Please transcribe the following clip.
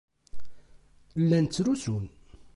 Llan ttrusun.